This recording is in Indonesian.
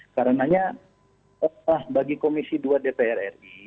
karenanya lelah bagi komisi dua dpr ri